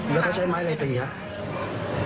แล้วก็ใช้ไม้อะไรเปรียบ